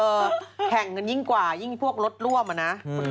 พี่เธอแห่งยิ่งกว่ายิ่งพวกรถร่วมนะ